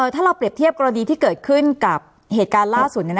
ถ้าเราเปรียบเทียบกรณีที่เกิดขึ้นกับเหตุการณ์ล่าสุด